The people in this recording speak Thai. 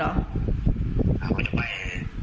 เอาจะไป